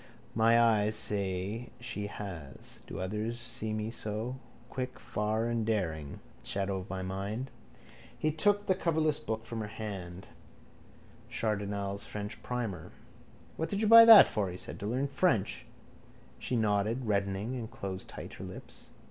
My eyes they say she has. Do others see me so? Quick, far and daring. Shadow of my mind. He took the coverless book from her hand. Chardenal's French primer. —What did you buy that for? he asked. To learn French? She nodded, reddening and closing tight her lips.